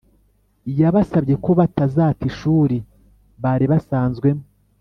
yabasabye ko batazata ishuri bari basanzwemo